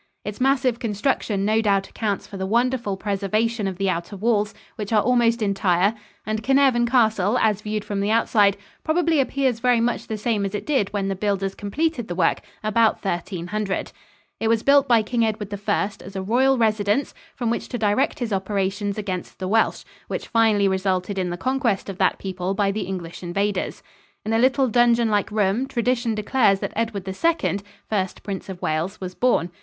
Its massive construction no doubt accounts for the wonderful preservation of the outer walls, which are almost entire, and Carnarvon Castle, as viewed from the outside, probably appears very much the same as it did when the builders completed the work about 1300. It was built by King Edward I as a royal residence from which to direct his operations against the Welsh, which finally resulted in the conquest of that people by the English invaders. In a little dungeonlike room, tradition declares that Edward II, first Prince of Wales, was born.